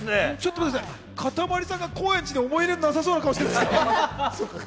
かたまりさんが高円寺で思い入れなさそうな顔してます。